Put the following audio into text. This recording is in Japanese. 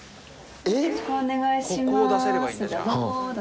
「よろしくお願いします」がド